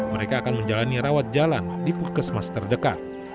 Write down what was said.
mereka akan menjalani rawat jalan di puskesmas terdekat